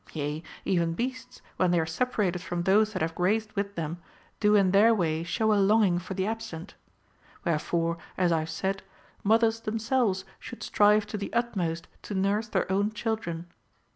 Yea, even beasts, when they are separated from those that have grazed with them, do in their way show a longing for the absent. Wherefore, as I have said, mothers themselves should strive to the utmost to nurse their own children.